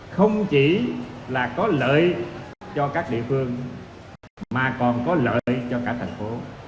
không chỉ là có lợi cho các địa phương mà còn có lợi cho cả thành phố